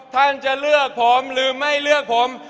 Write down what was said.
ท่านจะเลือกผมหรือไม่เลือกผม